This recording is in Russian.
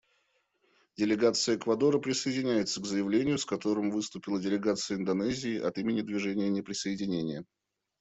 Делегация Эквадора присоединяется к заявлению, с которым выступила делегация Индонезии от имени Движения неприсоединения.